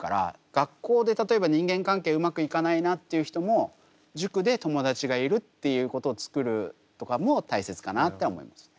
学校で例えば人間関係うまくいかないなっていう人も塾で友達がいるっていうことをつくるとかも大切かなって思いますね。